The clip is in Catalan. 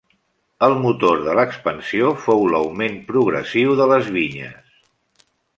El motor de l'expansió fou l'augment progressiu de les vinyes.